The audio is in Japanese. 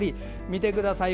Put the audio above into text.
見てください